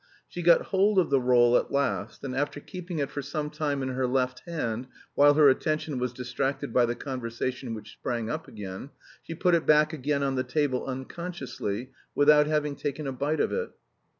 She got hold of the roll at last and after keeping it for some time in her left hand, while her attention was distracted by the conversation which sprang up again, she put it back again on the table unconsciously without having taken a bite of it.